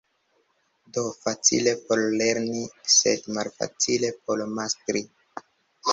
Do, facile por lerni, sed malfacile por mastri.